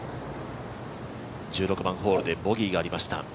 １６番ホールでボギーがありました。